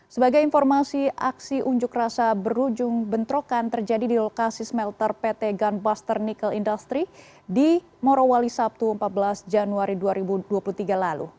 sebagai informasi aksi unjuk rasa berujung bentrokan terjadi di lokasi smelter pt gunbuster nickel industry di morowali sabtu empat belas januari dua ribu dua puluh tiga lalu